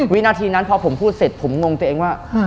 วินาทีนั้นพอผมพูดเสร็จผมงงตัวเองว่า